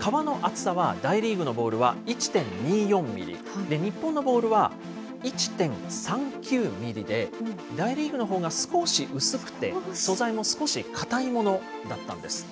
革の厚さは大リーグのボールは１．２４ミリ、日本のボールは１．３９ミリで、大リーグのほうが少し薄くて、素材も少し硬いものだったんです。